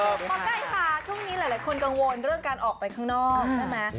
หมอไก่ค่ะช่วงนี้หลายคนกังวลเรื่องการออกไปข้างนอกใช่ไหม